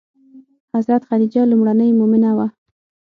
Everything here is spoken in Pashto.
حضرت خدیجه لومړنۍ مومنه وه.